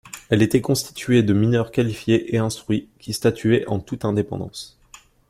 Elle était constituée de mineurs qualifiés et instruits qui statuaient en toute indépendance.